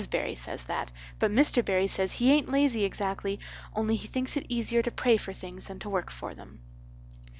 Barry says that but Mr. Barry says he aint lazy exactly only he thinks it easier to pray for things than to work for them.